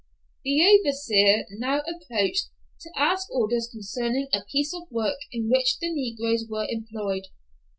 The overseer now approached to ask orders concerning a piece of work in which the negroes were employed.